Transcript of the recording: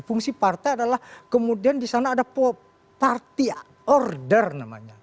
fungsi partai adalah kemudian di sana ada party order namanya